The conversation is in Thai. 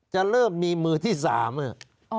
จะเริ่มมีมือที่๓เนี่ย